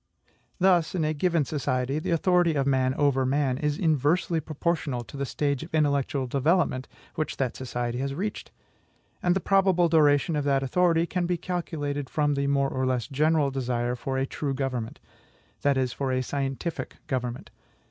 Thus, in a given society, the authority of man over man is inversely proportional to the stage of intellectual development which that society has reached; and the probable duration of that authority can be calculated from the more or less general desire for a true government, that is, for a scientific government.